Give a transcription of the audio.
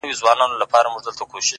مړ يې کړم اوبه له ياده وباسم _